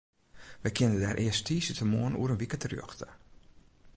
Wy kinne dêr earst tiisdeitemoarn oer in wike terjochte.